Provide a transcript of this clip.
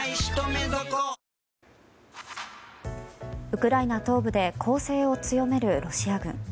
ウクライナ東部で攻勢を強めるロシア軍。